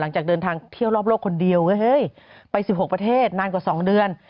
หลังจากเดินทางเที่ยวรอบโลกคนเดียวเฮ้ยไป๑๖ประเทศนานกว่า๒เดือน